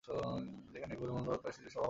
সেইখানে গৌরমোহনবাবুর প্রায়শ্চিত্তের সভা বসবে।